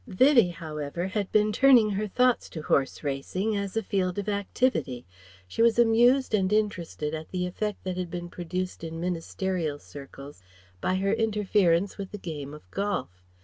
Vivie however had been turning her thoughts to horse racing as a field of activity. She was amused and interested at the effect that had been produced in ministerial circles by her interference with the game of golf.